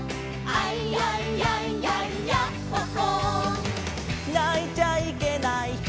「アイヤイヤイヤイヤッホ・ホー」「泣いちゃいけないひとりじゃない」